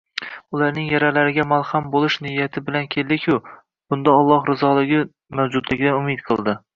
Ularning yaralariga malham ko'yish niyati bilan keldiku. Bunda Alloh rizoligi mavjudligidan umid qildi.